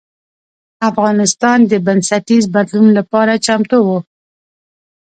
افغانستان د بنسټیز بدلون لپاره چمتو و.